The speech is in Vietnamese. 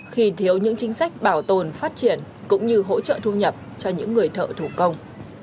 khi thiếu những chính sách bảo tồn phát triển cũng như hỗ trợ thu nhập cho những người thợ thủ công